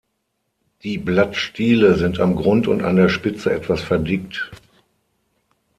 Die Blattstiele sind am Grund und an der Spitze etwas verdickt.